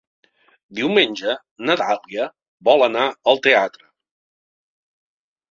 Diumenge na Dàlia vol anar al teatre.